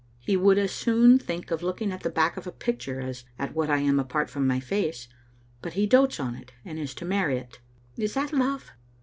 He would as soon think of looking at the back of a picture as at what I am apart from my face, but he dotes on it, and is to marry it. Is that love?